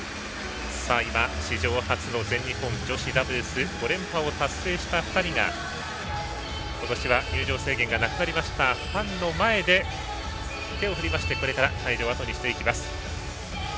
今、史上初の全日本女子ダブルス５連覇を達成した２人が今年は入場制限がなくなりましたファンの前で手を振りましてこれから会場をあとにしていきます。